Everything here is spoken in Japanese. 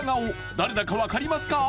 誰だか分かりますか？